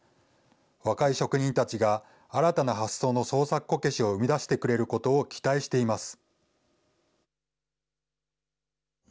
若い職人たちが新たな発想の創作こけしを生み出してくれることを期待しています。